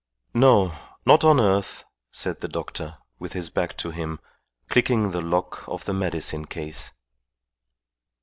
"No. Not on earth," said the doctor, with his back to him, clicking the lock of the medicine case.